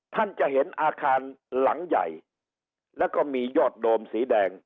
ท่านจะเห็นอาคารหลังใหญ่แล้วก็มียอดโดมสีแดง